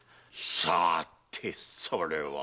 さてそれは。